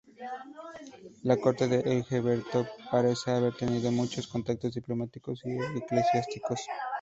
La corte de Egberto parece haber tenido muchos contactos diplomáticos y eclesiásticos.